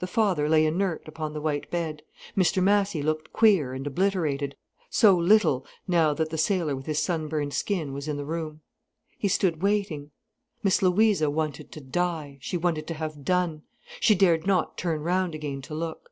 The father lay inert upon the white bed, Mr Massy looked queer and obliterated, so little now that the sailor with his sunburned skin was in the room. He stood waiting. Miss Louisa wanted to die, she wanted to have done. She dared not turn round again to look.